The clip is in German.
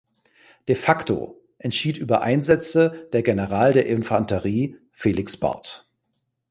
De facto entschied über Einsätze der General der Infanterie Felix Barth.